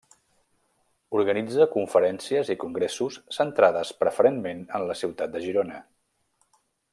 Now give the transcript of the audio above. Organitza conferències i congressos centrades preferentment en la ciutat de Girona.